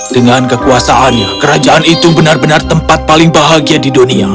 dengan kekuasaannya kerajaan itu benar benar tempat paling bahagia di dunia